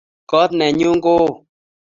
kot nenyu ko oo.